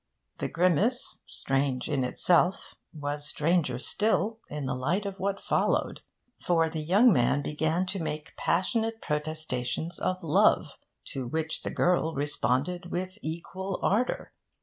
The grimace, strange in itself, was stranger still in the light of what followed. For the young man began to make passionate protestations of love, to which the girl responded with equal ardour.